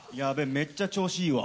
めっちゃ調子いいわ。